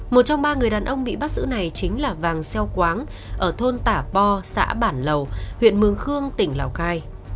một trong ba người đàn ông bị bắt giữ này chính là vàng xeoáng ở thôn tả po xã bản lầu huyện mường khương tỉnh lào cai